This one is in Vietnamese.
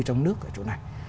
trong nước ở chỗ này